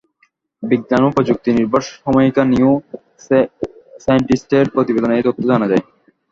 বিজ্ঞান ও প্রযুক্তিনির্ভর সাময়িকী নিউ সায়েন্টিস্টের প্রতিবেদনে এই তথ্য জানা যায়।